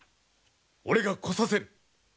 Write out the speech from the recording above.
俺が来させる！